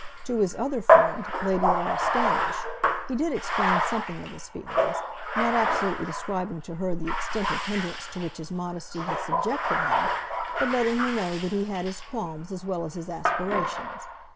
To his other friend, Lady Laura Standish, he did explain something of his feelings, not absolutely describing to her the extent of hindrance to which his modesty had subjected him, but letting her know that he had his qualms as well as his aspirations.